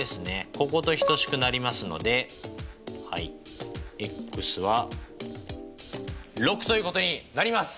ここと等しくなりますのでｘは６ということになります！